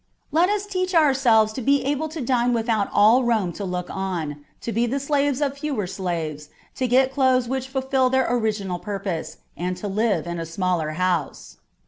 Let us then teach ourselves to be able to 270 MINOR DIALOGUES. [bK. IX. dine without all Rome to look on, to be the slaves of fewer slaves, to get clothes which fulfil their original purpose, and to live in a smaller house.